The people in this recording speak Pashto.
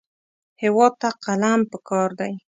هېواد ته قلم پکار دی